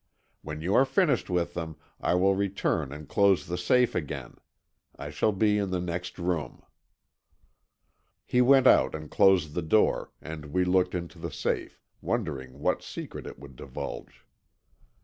When you are finished with them I will return and close the safe again. I shall be in the next room." He went out and closed the door, and we looked into the safe, wondering what secret it would divulge.